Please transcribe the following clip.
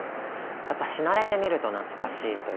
やっぱ「死なれてみると懐しい」という言葉。